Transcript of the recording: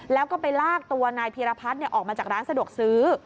แล้วก็ไปลากตัวนายพีรพัฒน์ออกมาจากร้านสะดวกซื้อ